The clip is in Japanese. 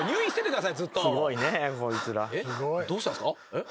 えっ？